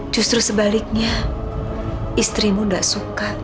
justru sebaliknya istrimu tidak suka